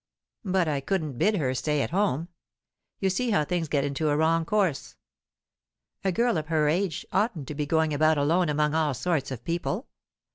But I couldn't bid her stay at home. You see how things get into a wrong course. A girl of her age oughtn't to be going about alone among all sorts of people.